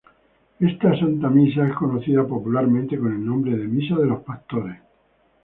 Esta Santa Misa es conocida popularmente con el nombre de "Misa de los pastores".